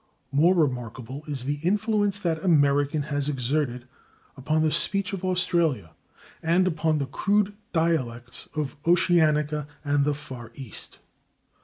More remarkable is the influence that American has exerted upon the speech of Australia and upon the crude dialects of Oceanica and the Far East.